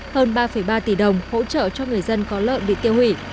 hơn ba ba tỷ đồng hỗ trợ cho người dân có lợn bị tiêu hủy